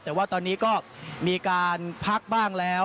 แต่ว่าตอนนี้ก็มีการพักบ้างแล้ว